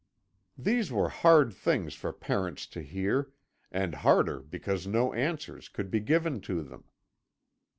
"These were hard things for parents to hear, and harder because no answers could be given to them.